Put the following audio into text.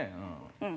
うん。